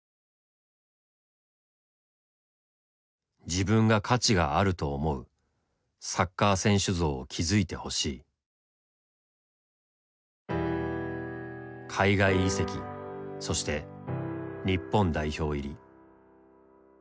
「自分が価値があると思うサッカー選手像を築いてほしい」。海外移籍そして日本代表入り。